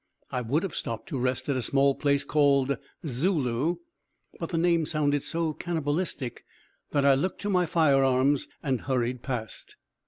I would have stopped to rest at a small place called Zulu, but the name sounded so cannibalistic that I looked to my firearms and hurried past.